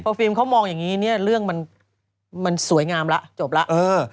ฟิล์มเขามองอย่างนี้เนี่ยเรื่องมันสวยงามแล้วจบแล้ว